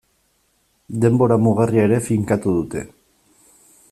Denbora mugarria ere finkatu dute.